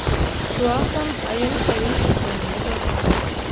Şu wagtam aýyl-saýyl göz öňüme gelýär.